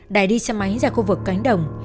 đài đi xe máy ra khu vực cánh đồng